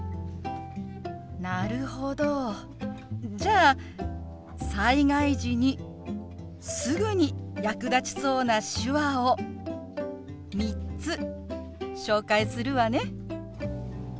なるほどじゃあ災害時にすぐに役立ちそうな手話を３つ紹介するわね。